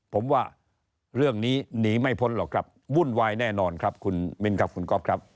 ผมว่าเรื่องนี้หนีไม่พ้นหรอกครับวุ่นวายแน่นอนครับคุณมินครับคุณก๊อฟครับ